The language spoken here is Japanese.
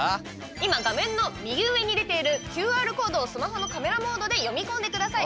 今、画面の右上に出ているＱＲコードをスマホのカメラモードで読み込んでください。